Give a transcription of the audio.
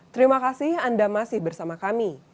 terima kasih anda masih bersama kami